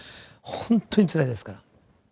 ほんとにつらいですから。